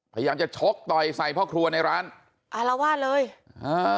พยายามจะชกต่อยใส่พ่อครัวในร้านอารวาสเลยอ่า